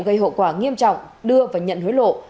gây hậu quả nghiêm trọng đưa và nhận hối lộ